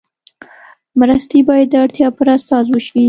مرستې باید د اړتیا پر اساس وشي.